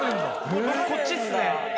僕こっちっすね。